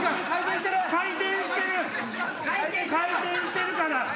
回転してるから！